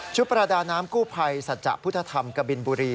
ประดาน้ำกู้ภัยสัจจะพุทธธรรมกบินบุรี